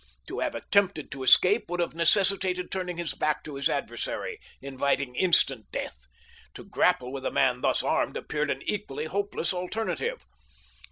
To have attempted to escape would have necessitated turning his back to his adversary, inviting instant death. To grapple with a man thus armed appeared an equally hopeless alternative.